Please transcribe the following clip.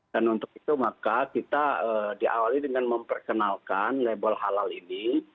dan untuk itu maka kita diawali dengan memperkenalkan label halal ini